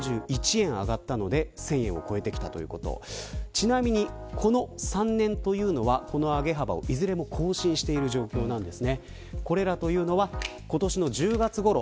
ちなみに、この３年というのは上げ幅をいずれも更新している状況なんです。